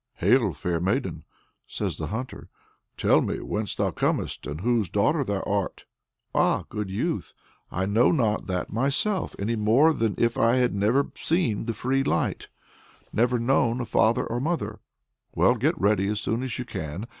"Hail, fair maiden!" says the hunter. "Tell me whence thou comest, and whose daughter thou art?" "Ah, good youth! I know not that myself, any more than if I had never seen the free light never known a father and mother." "Well, get ready as soon as you can.